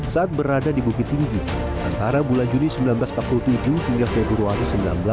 saat berada di bukit tinggi antara bulan juni seribu sembilan ratus empat puluh tujuh hingga februari seribu sembilan ratus sembilan puluh